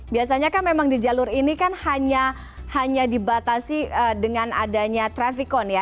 biasanya kan memang di jalur ini kan hanya dibatasi dengan adanya trafikon ya